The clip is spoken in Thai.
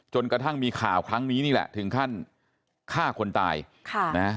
กระทั่งมีข่าวครั้งนี้นี่แหละถึงขั้นฆ่าคนตายค่ะนะ